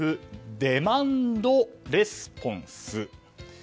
デマンドレスポンス。